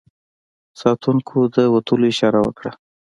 ساتونکو د وتلو اشاره وکړه.